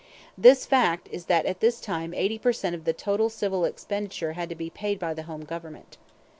The fact is that at this time eighty per cent of the total civil expenditure had to be paid by the home government.